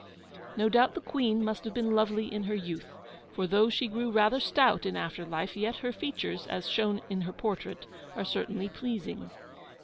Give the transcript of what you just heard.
No doubt, the Queen must have been lovely in her youth; for though she grew rather stout in after life, yet her features, as shown in her portrait, are certainly PLEASING.